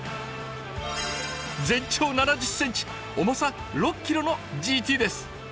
全長７０ｃｍ重さ６ｋｇのＧＴです。